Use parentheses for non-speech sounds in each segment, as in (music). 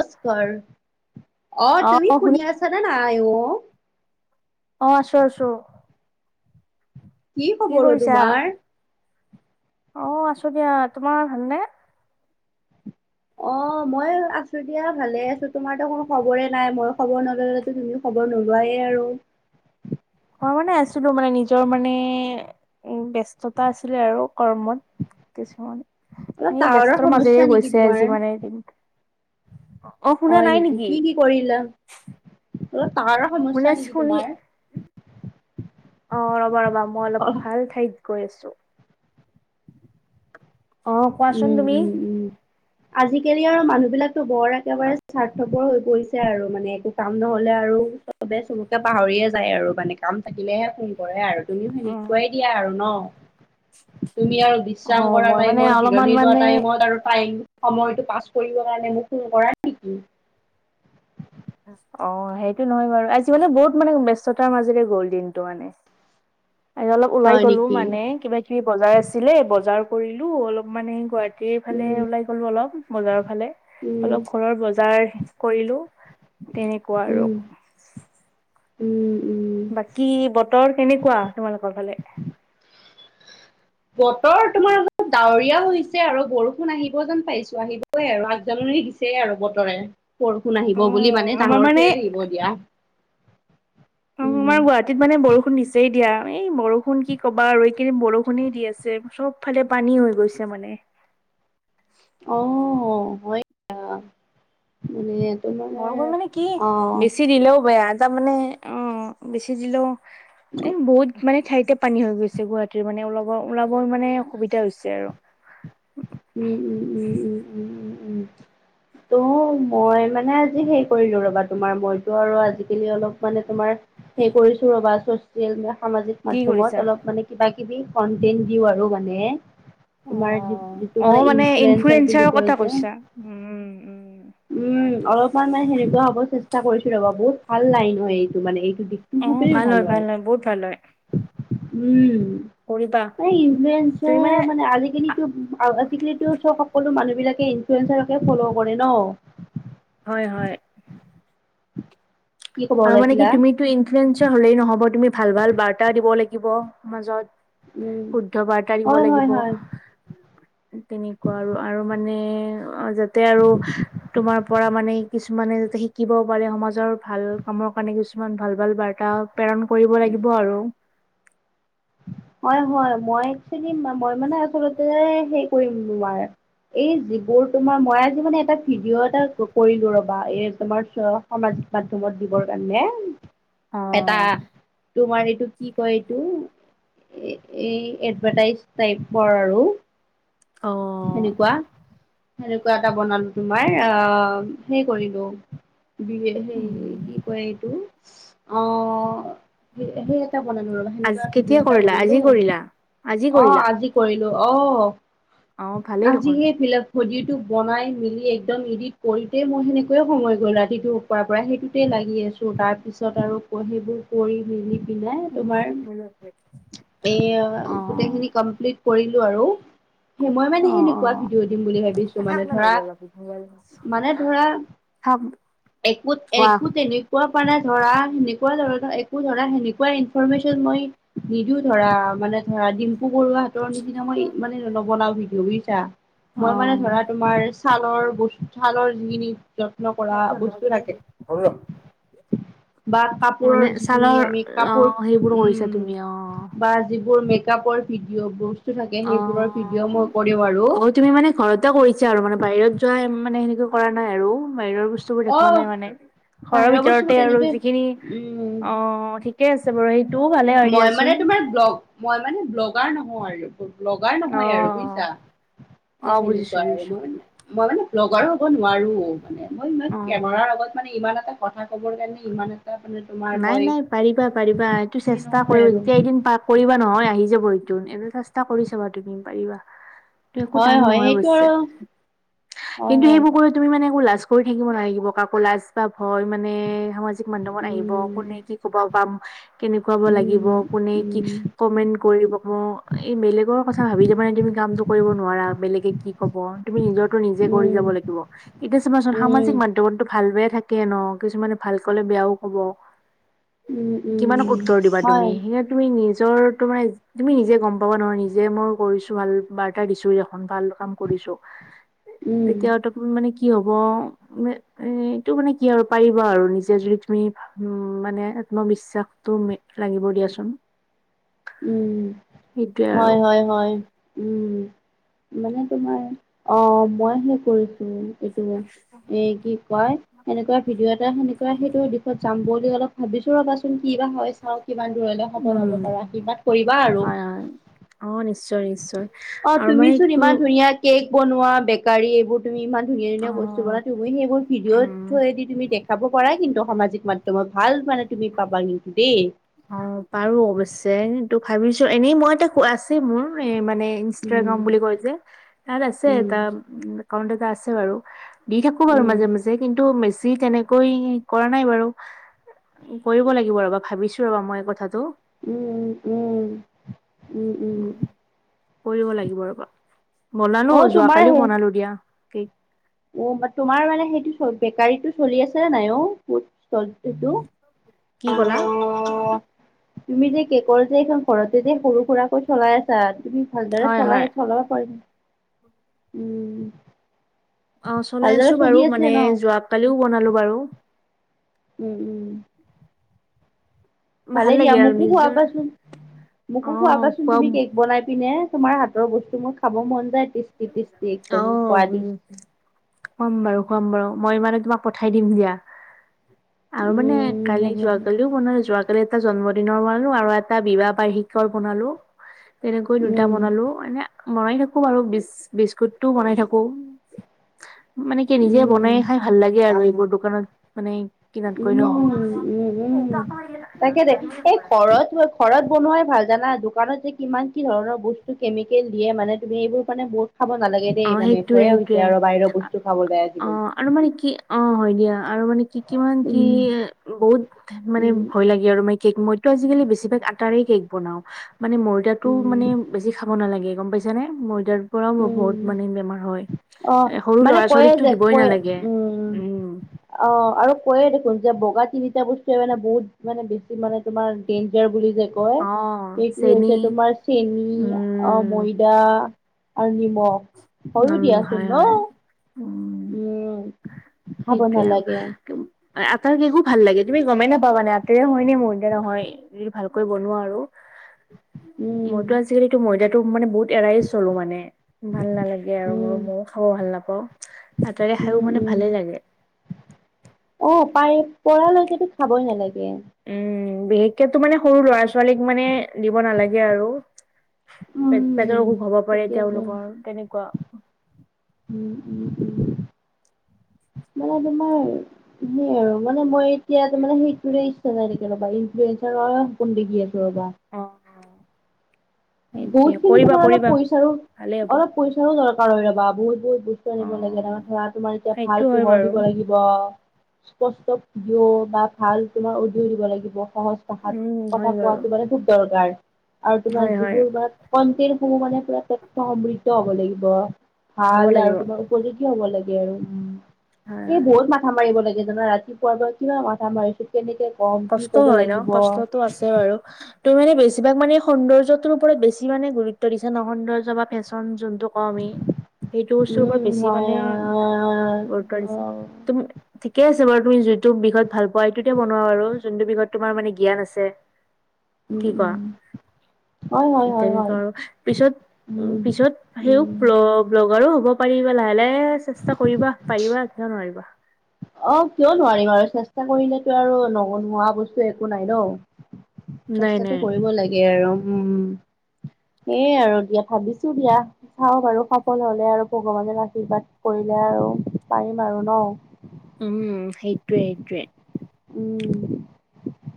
নমস্কাৰ অহ অ' তুমি শুনি শুনিছা আছা নে নাই অ অহ আছোঁ আছোঁ কি খবৰ তোমাৰ অহ আছোঁ দিয়া তোমাৰ ভাল নে অ উ (unintelligible) মই আছোঁ দিয়া ভালে আছোঁ তোমাৰতো কোনো খবৰে নাই মই খবৰ নললেতো তুমিও খবৰ নোলোৱেই আৰু মই মানে‌ আছিলো মানে নিজৰ মানে উম ব্যস্ততা আছিলে আৰু কৰ্মত কিছুমান অলপ এই ব্যস্ত‌ টাৱাৰৰ মাজেৰে সমস্যা নেকি গৈছে তোমাৰ আজি মানে এদিন হয় নেকি কি কি কৰিলা অলপ তাৰ শুনি সমস্যা আছ নেকি তোমাৰ অহ ৰবা ৰবা মই অলপ অ' ভাল ঠাইত গৈ আছোঁ উম উম উম আজিকালি আৰু মানুহ বিলাকো বৰ একেবাৰে স্বাৰ্থপৰ হৈ পৰিছে আৰু মানে একো কাম নহলে আৰু চবে চবকে পাহৰিয়ে যায় আৰু মানে কাম থাকিলেহে ফোন কৰে আৰু তুমিও উম, সেনেকুৱাই দিয়া আৰু ন তুমি আৰু বিশ্ৰাম অ' কৰা মই মানে টাইমত অলপমান জিৰণি লোৱা মানে টাইমত পিছত আৰু টাইম সময়টো পাছ কৰিব কাৰণে মোক ফোন কৰা নেকি অহ সেইটো নহয় বাৰু আজি মানে বহুত মানে ব্যস্ততাৰ মাজেৰে গ'ল দিনটো মানে আজি অলপ ওলাই হয় গলো নেকি? মানে কিবা কিবি বজাৰ আছিলে বজাৰ কৰিলোঁ অলপ মানে গুৱাহা টী ফালে উম, ওলাই গলো অলপ বজাৰ ফালে উম, অলপ ঘৰৰ বজাৰ কৰিলোঁ উম উম উম বাকী বতৰ কেনেকুৱা তোমালোকৰ ফালে বতৰ তোমাৰ অলপ ডাৱৰীয়া হৈছে আৰু বৰষুণ আহিব যেন পাইছোঁ আহিব আহিবই আৰু আগজানী দিছে আৰু বতৰে বৰষুণ অ আহিব বুলি মানে ডাঙৰকে আহিব দিয়া অহ আমাৰ উম, গুৱাহাটী গুৱাহাটীত মানে বৰষুণ দিছেই দিয়া এই বৰষুণ কি ক'বা আৰু এই কেইদিন বৰষুণেই দি আছে চব ফালে পানী হৈ গৈছে মানে অহ' হয় দিয়া বুলিলে‌ তোমাক বৰষুণ মানে কি বেছি দিলেও বেয়া তাৰ মানে অহ' বেছি দিলেও এ বহুত মানে ঠাইতে পানী হৈ গৈছে গুৱাহাটীৰ মানে ওলাব ওলাব মানে অসুবিধা হৈছে আৰু উম উম উম উম উম উম উম তো মই মানে আজি সেই কৰিলোঁ ৰবা তোমাৰ মইতো আৰু আজিকালি অলপ মানে তোমাৰ সেই কৰিছো ৰ'বা ছ'চিয়েল বা সামাজিক কি মাধ্যমত কৰিছা? অলপ মানে কিবা কিবি কন্টেন দিওঁ আৰু মানে তোমাৰ অ'হ মানে ইনফ্লুৱেঞ্চাৰ বুলি ইনফ্লুয়েছাৰ কয় কথা যে কৈছা উম উম অলপমান মানে সেনেকুৱা হ'ব চেষ্টা কৰিছোঁ ৰ'বা বহুত ভাল লাইন হয় এইটো মানে এইটো দিশ অহ' ভাল হয় ভাল হয় বহুত ভাল হয়। কৰিবা উম এই ইনফ্লেঞ্চচাৰ মানে আজিকালি তো আজিকালিতো চব সকলো মানুহ বিলাকে ইনফ্লুৱেঞ্চাচাৰকে ফলো' কৰে ন হয় হয়। কি ক'ব আৰু মানে কি ওলাইছিলা তুমিতো ইনফ্লুয়েঞ্চৱচাৰৰ হলেই নহব তুমি ভাল ভাল বাৰ্তা দিব লাগিব সমাজত উম শুদ্ধ বাৰ্তা দিব হয় হয় লাগিব হয় তেনেকুৱা আৰু আৰু মানে যাতে আৰু তোমাৰ পৰা মানে কিছুমানে যাতে শিকিব পাৰে সমাজৰ ভাল কামৰ কাৰণে কিছুমান ভাল ভাল বাৰ্তা প্ৰেৰণ কৰিব লাগিব আৰু হয় হয় মই একচলি মই মানে আচলতে হেই কৰিম তোমাৰ এই যিবোৰ তোমাৰ মই আজি মানে এটা ভিডিঅ' এটা কৰিলো ৰবা এ তোমাৰ চ সামাজিক মাধ্যমত দিবৰ কাৰণে এটা তোমাৰ এইটো কি কয় এইটো এ এই এডভাটাইজ টাইপৰ আৰু অ' সেনেকুৱা সেনেকুৱা এটা বনালো তোমাৰ আহ হে কৰিলো বিয়ে সেই এই উম, কি কয় এইটো অ' সেই এটা বনালো ৰবা আজি সেনেকুৱা কেতিয়া ভিডিঅ' এটা কৰিলা আজি বনালো কৰিলা আজি অ' কৰিলা আজি কৰিলো অ' অ ভালেই দেখোন। আজিহে ফিলাপ খডিটো বনাই মিলি একদম ইডিত কৰোঁতেই মই সেনেকৈয়ে সময় গ'ল ৰাতিটো পুৱাৰ পৰা সেইটোতে লাগি আছো তাৰপিছত আৰু সেইবোৰ কৰি মেলি পিলাই তোমাৰ এ অ গোটেইখিনি কমপ্লিট কৰিলো আৰু সেই মই মানে অ সেনেকুৱা ভিডিঅ দিম বুলি ভাবিছো থাক মানে না ধৰা নহ'লে অলপ মানে ধৰা থাক একোত কোৱা একোত তেনে পুৱা মানে ধৰা সেনেকুৱা ধৰণৰ একো ধৰা সেনেকুৱা ইনফৰৰ্মেশ্যন মই নিদো ধৰা মানে ধৰা ডিম্পু বৰুৱা হাতৰ নিচিনা মই ইমানে নবনাও ভিডিঅ বুইছা অ মই মানে ধৰা তোমাৰ ছালৰ বস্ত ছালৰ যিখিনি কৰা বস্তু থাকে (unintelligible) বা কাপোৰৰ মানে যিখিনি ছালৰ আমি অ কাপোৰ সেইবোৰ কৰিছা উম তুমি অ বা যিবোৰ মেক মেকআপৰ ভিডিঅ' বস্তু থাকে সেইবোৰৰ ভিডিঅ' মোক অ অ তুমি মানে ঘৰতে কৰিছা আৰু মানে বাহিৰত যোৱা মানে সেনেকুৱা কৰা নাই আৰু বাহিৰৰ বস্ বস্তুবোৰ অ দেখুওৱা নাই মানে ঘৰৰ বাহিৰৰ ভিতৰতে বস্তুবোৰ আৰু তেনেকে যিখিনি উম অ ঠিক ঠিকে আছে বাৰু সেইটোও ভালে হয় মই মানে দিয়াচোন তোমাৰ ব্লগ মই মানে ব্লগাৰ নহওঁ আৰু ব্লগাৰ অ নহয় আৰু বুইছা এ অ বুজিছো সেনেকুৱা আৰু বুজিছো মই মই মানে ব্লগাৰো হ'ব নোৱাৰো মানে মই ইমান অ কেমেৰাৰ আগত মানে ইমান এটা কথা ক'বৰ কাৰণে ইমান এটা মানে তোমাৰ নাই মই নাই পাৰিবা পাৰিবা এইটো সেই চেষ্টা নহয় কৰিব আৰু যেতিয়া এদিন পাক কৰিবা নহয় আহি যাব সেটো এনে চেষ্টা কৰি চাবা তুমি পাৰিবা একো হয় টান হয় নহয় সেইটো অৱশ্যে আৰু হয় কিন্তু হয় সেইবোৰ কৰি তুমি মানে একো লাজ কৰি থাকিব নালাগিব কাকো লাজ বা ভয় মানে সামাজিক মাধ্যমত আহিব উম কোনে কি ক'ব পাম কেনেকুৱাব লাগিব উম কোনে কি উম কমেন্ট কৰিব ম এই বেলেগৰ কথা ভাবি তাৰ মানে তুমি কামটো কৰিব নোৱাৰা বেলেগে কি কব তুমি নিজৰটো নিজে কৰি উম যাব লাগিব এতিয়া চমাচোন সামাজিক উম মাধ্যমটো ভাল বেয়া থাক কে ন কিছুমানে ভাল কলে বেয়াও ক'ব উম কিমানক উম উত্তৰ দিবা তুমি হয় সেইয়া তুমি নিজৰ তোৰ মানে তুমি নিজে গম পাবা নহয় নিজে মই কৰিছো ভাল বাৰ্তা দিছো এখন ভাল কাম কৰিছো উম তেতিয়াও টো মানে কি হব এ এইটো মানে কি আৰু পাৰিবা আৰু নিজে যদি তুমি উম মানে আত্মবিশ্বাসটো লাগিব দিয়াচোন উম সেইটোৱে আৰু হয় হয়। হয় উম মানে তোমাৰ অ মই হে কৰিছো। এইটো এ কি কয় সেনেকুৱা ভিডিঅ' এটা সেনেকুৱা সেইটো দিশত যাম বুলি অলপ- ভাবিছো ৰবাচোন কি বা হয় চাও কিমান দূৰলৈ সফল হব উম পাৰা। হয় হয় অ নিশ্চয় নিশ্চয় অ আৰু মান তুমিচোন ইমান এইটো- ধুনীয়া কেক বনোৱা বেকাৰী এইবোৰ তুমি ইমান- ধুনীয়া অ ধুনীয়া বস্তু বনাই তুমি সেইবোৰ ভিডিঅ' উম থোৱেদি তুমি দেখাব পাৰা কিন্তু সাজিক মাধ্যম- ধ্যমত ভাল মানে তুমি পাবা কিন্তু দেই। অ, পাৰো অৱশ্যে তু ভাবিছো এনেই মইটা আছেই মোৰ এ মানে ইনছ- ইষ্টাগ্ৰাম উম বুলি কয় যে তাত আছে উম এটা একাউণ্ট এটা আছে বাৰু। দি থাকো বাৰু উম মাজে মাজে- কিন্তু বেছি তেনেকৈ কৰা নাই বাৰু কৰিব লাগিব ৰব ভাবিছো। ৰবা মই এই কথাটো। উম উম। উম উম কৰিব লাগিব ৰব বনালো অ যোৱাকালিও বনালো দিয়া। কি উ তোমাৰ মানে সেইটো বেকাৰীটো চলি আছে নাই অ সেইটো? কি কলা? অ, তুমি যে কেকৰ যে এইখন ঘৰতে যে সৰু সুৰাকৈ চলাই আছ- চা তুমি ভালদৰে হয় হয় চলাই চলাব পাৰিম উম- অ চলাই ভালদৰে আছো চলি বাৰু আছে মানে ন? যোৱাকালিও বনালো বাৰু। উম উম। ভাল ভালে দিয়া লাগে আৰু মোকো নিজৰ খুৱাবাচোন মোকো অ খুৱাবাচোন খুৱাম তুমি কেক বনাই পিনে। তোমাৰ হাতৰ বস্তু মোৰ খাব মন যায় টেষ্ট- অঁ উম। খোৱাম বাৰু খোৱাম বাৰু মই মানে তোমাক পঠাই দিম দিয়া। আৰু মানে উম, কালি হ'ব যোৱা দিয়া। কালি- ও বনালো যোৱাকালি এটা জন্মদিনৰ বনালো আৰু এটা বিবাহ বাৰ্ষিকৰ বনালো। তেনেকৈ দুটা উম, বনালো এনে বনাই থাকো বাৰু বিছ- বিস্কুটো বনাই থাকো মানে কি নিজে বনাই- উম। নাই ভাল লাগে আৰু এইবোৰ দোকানত মানে- কিনাতকৈ উম, ন! উম, উম। তাকে দে এই ঘৰত ঘৰত বনোৱাই ভাল জানা! দোকানত যে কিমান কি ধৰণৰ বস্তু কেমিকেল দিয়ে মানে তুমি এইবোৰ মানে বস্তু- খাব নালাগে অ দেই, মানে সেইটোয়ে ভয়ে সেইটোয়ে হৈছে আৰু বাহিৰ বস্তু খাব লে অ আজিকালি। আৰু মানে কি, অ হয় দিয়া আৰু মানে- কি কিমান কি, উম। বহুত মানে উম, ভয় লাগে আৰু মাই- কেক মইতো আজিকালি বেছিভাগ আটাৰে কেক বনাওঁ। মানে ময়দাটো মানে উম, বেছি খাব নালাগে গম পাইছানে? ময়দাৰ পৰাও বহুত উম, মানে বেমাৰ হয়। অ', এ সৰু মানে ল'ৰা কয়ে ছোৱালীকতো যে দিবই কয় নালাগে উম- অ', আৰু কৈয়ে দেখোন যে বগা তিনিটা বস্তুৱে মানে বহুত মানে বেছি মানে তোমাৰ ডেইঞ্জাৰ বুলি যে- কয়, অ সেইটো চেনি হৈছে তোমাৰ চেনী, অ উম ময়- দা আৰু নিমখ। হয়ো উম, দিয়াচোন হয় ন হয়। উম, উম খাব সেইটোৱে আৰু। নালাগে কিন- আটাৰ কেকো ভাল লাগে। তুমি গমেই নাপাবা মানে আটাৰে হয় নে ময়দাৰে হয়! যদি ভালকৈ বনোৱা আৰু- উম মইতো আজিকালি ময়দাটো মানে বহুত এৰায়ে চলোঁ মানে, ভাল নালাগে। বেয়াও উম হয়, মইও খাব ভাল নাপাওঁ। আটাৰে উম, খাইও মানে উম। ভালে লাগে অ' পাৰি পৰালৈকেতো খাবই নালাগে। উম, বিশেষকেতো মানে সৰু ল'ৰা-ছোৱালীক মানে দিব নালাগে আৰু পেটৰ উম অসুখ হব পাৰে ঠিকে আছে তেওঁলোকৰ, তেনেকুৱা। উম, উম, উম, মানে তোমাৰ সেই আৰু মানে মই এতিয়া মানে মোৰ একোৰে ইচ্ছা নাই ৰ'বা, ইনফ্লুয়েঞ্চাৰৰে সপোন দেখি আছো ৰ'বা। অ'। এতিয়া বহুতখিনি কৰিবা ধৰা অলপ কৰিবা পইচাও, ভালেই হ'ব অলপ পইচাৰো দৰকাৰ হয় ৰ'বা। বহুত বহুত বস্তু অ আনিব লাগে ন। ধৰা, তোমাৰ এতিয়া সেইটো ভাল হয় পোহৰ বাৰু দিব লাগিব (unintelligible) স্পষ্ট ভিডিঅ' বা ভাল তোমাৰ অডিঅ' দিব লাগিব। সহজ কথা, উম হয় কথা বাৰু কোৱাটো মানে খুব দৰকাৰ আৰু তোমাৰ হয় হয় তোমাৰ কনটেণ্ট সমূহ মানে পুৰা তথ্যসমৃদ্ধ হ'ব লাগিব হ'ব ভাল আৰু লাগিব তোমাৰ উপযোগী হ'ব লাগে আৰু। হয় এই হয় বহুত মাথা মাৰিব লাগে জানা! ৰাতিপু (unintelligible) মাথা মাৰিছোঁ। কেনেকে ক'ম! কি কষ্ট ক'ব হয় ন, লাগিব। কষ্টতো আছে বাৰু। ত' মানে বেছিভাগ মানে সৌন্দৰ্যটোৰ ওপৰত বেছি মানে গুৰুত্ব দিছে ন, সৌন্দৰ্য বা ফেশ্বন যোনটো কওঁ আমি। সেইটো বস্তুৰ ওপৰত উম বেছি মানে হয় গুৰুত্ব অ দিছে। অ। তুম ঠিকে আছে বাৰু, তুমি যিটো বিষয়ত ভালপোৱা এইটোতে বনোৱা বাৰু। যোনটো বিষয়ত তোমাৰ মানে জ্ঞান আছে। উম, উম। হয়, হয়, হয়, ইত্যান্ত' হয়। পিছত উম। পিছত সেইও উম, ব্লগ ব্ল'গাৰো হ'ব পাৰিবা লাহে লাহে চেষ্টা কৰিবা, পাৰিবা। কিয় নোৱাৰিবা! অ' কিয় নোৱাৰিম আৰু চেষ্টা কৰিলেতো আৰু ন-নোৱাৰা বস্তু একো নাই ন! নাই নাই চেষ্টাটো কৰিব লাগে আৰু। (inaudible) সেই আৰু দিয়া, ভাবিছো দিয়া। চাওঁ বাৰু, সফল হ'লে আৰু ভগৱানে আশীৰ্বাদ কৰিলে আৰু পাৰিম আৰু ন! (inaudible) উম। সেইটোৱে সেইটোৱে। উম।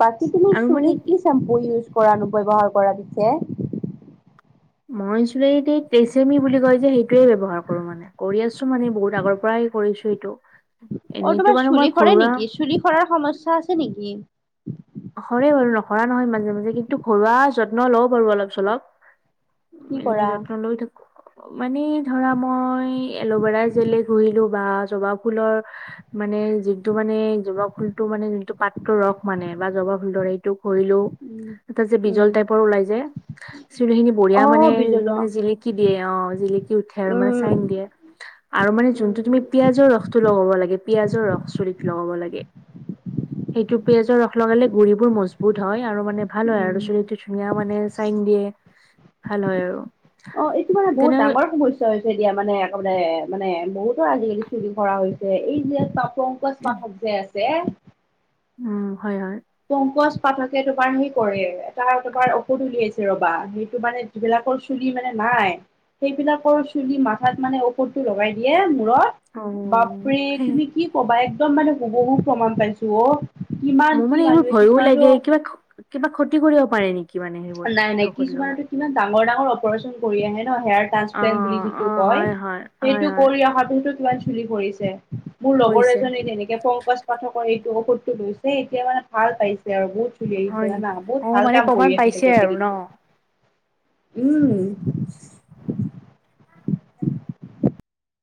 বাকী তুমি আৰু চুলিত মানে কি চেম্পু ইউজ কৰানো, ব্যৱহাৰ কৰা পিছে? মই চুলিখিনিত টেচেমি বুলি কয় যে সেইটোৱে ব্যৱহাৰ কৰোঁ মানে। কৰি আছো মানে বহুত আগৰ পৰাই কৰিছোঁ এইটো। অ এনেইতো তোমাৰ বাৰু মই চুলি সৰে ঘৰুৱা নেকি চুলি সৰাৰ সমস্যা আছে নেকি? সৰে বাৰু নসৰা নহয় মাজে মাজে কিন্তু ঘৰুৱা যত্ন লওঁ বাৰু অলপ চলপ কি এনে কৰা? যত্ন লৈ থাকোঁ। মানে ধৰা মই এল'ভেৰা জেলে ঘহিলো বা জবা ফুলৰ মানে যিটো মানে জবা ফুলটো মানে যিটো পাতটোৰ ৰস মানে জবা ফুলৰ হেৰিতো ঘহিলোঁ উম, এটা যে উম, বিজল টাইপৰ ওলাই যে চুলি খিনি বঢ়িয়া মানে অ', বিজলুৱা জিলিকি দিয়ে অ জিলিকি উঠে আৰু মানে উম। চাইন দিয়ে উ (unintelligible) আৰু মানে যোনটো তুমি উম, পিয়াজৰ ৰসটো লগাব লাগে পিয়াজৰ ৰস চুলিত লগাব লাগে সেইটো পিয়জৰ ৰস লগালে গুৰি বোৰ মজবুত হয় আৰু মানে ভাল হয় আৰু ছালটো ধুনীয়া মানে চাইন দিয়ে ভাল হয় আৰু। অঁ এইটো মানে বহুত তেনে ডাঙৰ সমস্যা। নিশ্চয় হৈছে এতিয়া মানে একেবাৰে মানে বহুতো আজিকালি শ্বুটিং কৰা হৈছে এই যে- পংকজ পাঠক যে আছে। উম হয় হয়। পংকজ পাঠকে তোমাৰ সেই কৰে এটা তোমাৰ ঔষধ উলিয়াইছে ৰবা সেইটো মানে- যিবিলাকৰ চুলি মানে নাই সেইবিলাকৰ চুলি মাথাত মানে ওপৰতটো লগাই দিয়ে মূৰত অ বাপৰে সেই তুমি কি কবা একদম মানে হুবহু প্ৰমাণ পাইছো অ, কিমান মোৰ কি মানে এইবোৰ মানুহে ভয়ো কিছুমানেতো লাগে, কিবা কিবা ক্ষতি কৰিব পাৰে নেকি? মানে সেইবোৰ নাই নাই, ঔষধ কিছুমান লগাই কিমান ডাঙৰ ডাঙৰ অপাৰচন কৰি আহে ন হেয়াৰ অ ট্ৰাঞ্চপ্লেন্ত বুলি অ যিটো কয়, হয় হয় হয় সেইটো হয় কৰি অহাৰ পিছতটো কিমান চুলি সৰিছে। মোৰ লগৰ কৰিছে এজনী তেনেকে পংকজ পাঠকৰ এইটো ঔষধটো লৈছে, এতিয়া মানে ভাল পাইছে আৰু বহুত। চুলি আহিছে হয় জানা নেকি বহুত অ ভাল মানে কাম প্ৰমাণ কৰি আছে পাইছে তেখেতে আৰু কিন্তু, ন উম। (unintelligible)